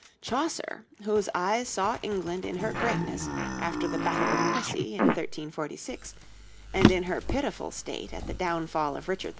Chaucer, whose eyes saw England in her greatness after the Battle of Crecy in 1346, and in her pitiful state at the downfall of Richard II.